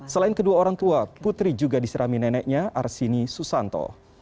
selain kedua orang tua putri juga diserami neneknya arsini susanto